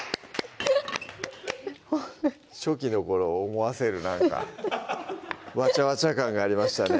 初期の頃を思わせるなんかワチャワチャ感がありましたね